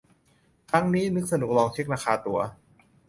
ครั้งนี้นึกสนุกลองเช็คราคาตั๋ว